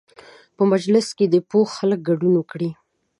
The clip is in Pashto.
په مجلس کې دې پوه خلک ګډون وکړي.